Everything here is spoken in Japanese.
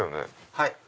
はい。